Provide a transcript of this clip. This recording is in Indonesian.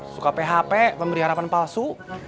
suka php memberi harapan palsu